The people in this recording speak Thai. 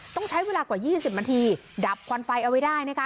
ต้องใช้เวลากว่า๒๐นาทีดับควันไฟเอาไว้ได้นะคะ